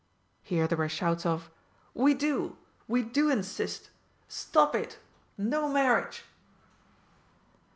Here there were shouts of "We do! We do insist! Stop it! No marriage!"